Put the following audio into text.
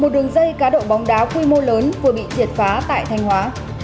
một đường dây cá độ bóng đá quy mô lớn vừa bị triệt phá tại thanh hóa